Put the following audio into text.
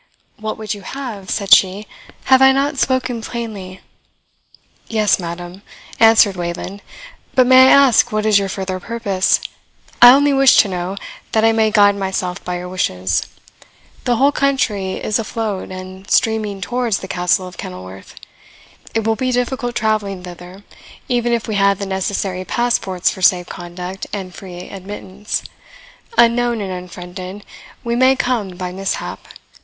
"What would you have?" said she. "Have I not spoken plainly?" "Yes, madam," answered Wayland; "but may I ask what is your further purpose? I only wish to know, that I may guide myself by your wishes. The whole country is afloat, and streaming towards the Castle of Kenilworth. It will be difficult travelling thither, even if we had the necessary passports for safe conduct and free admittance; unknown and unfriended, we may come by mishap.